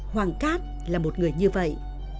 hoàng cát là một người như vậy